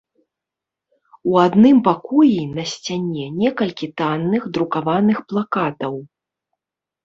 У адным пакоі на сцяне некалькі танных друкаваных плакатаў.